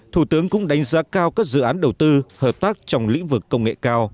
thủ tướng cũng đánh giá cao các dự án đầu tư hợp tác trong lĩnh vực công nghệ cao